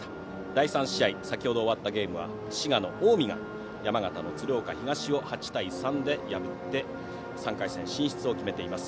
第３試合、先程終わったゲームは滋賀の近江が、山形の鶴岡東を８対３で破って３回戦進出を決めています。